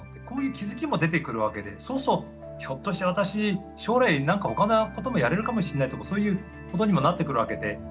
こういう気付きも出てくるわけでそうするとひょっとして私将来何かほかのこともやれるかもしれないとかそういうことにもなってくるわけで。